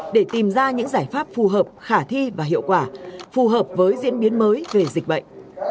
để tìm ra những giải pháp phù hợp khả thi và hiệu quả phù hợp với diễn biến mới về dịch bệnh